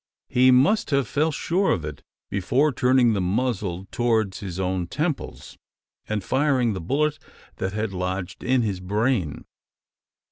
He must have felt sure of it, before turning the muzzle towards his own temples, and firing the bullet that had lodged in his brain.